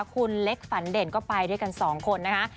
คุณเล็กฝันเด่นก็ไปด้วยกันสองคนนะคะ